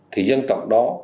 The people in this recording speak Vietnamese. thì dân tộc đó